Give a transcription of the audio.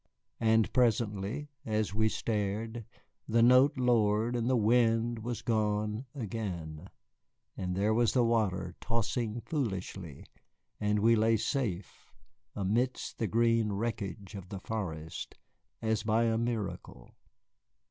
And presently, as we stared, the note lowered and the wind was gone again, and there was the water tossing foolishly, and we lay safe amidst the green wreckage of the forest as by a miracle.